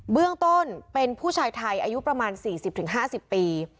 เบื้องต้นเป็นผู้ชายไทยอายุประมาณ๔๐๕๐ปี